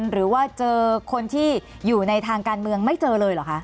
หรือว่าเจอคนที่อยู่ในทางการเมืองไม่เจอเลยเหรอคะ